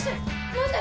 何で？